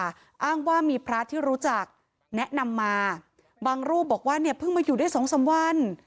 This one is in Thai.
อ้างว่ามีพระที่รู้จักแนะนำมาบางรูปบอกว่าเนี่ยเพิ่งมาอยู่ได้สองสามวัน